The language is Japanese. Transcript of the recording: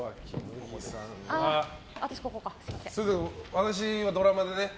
私はドラマでね。